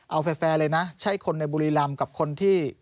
เอาแฟร์เลยนะใช่คนในบุรีรำกับคนที่